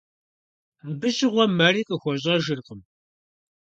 Абы щыгъуэ мэри къахуэщӀэжыркъым.